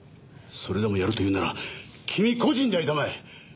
それでもやると言うなら君個人でやりたまえ！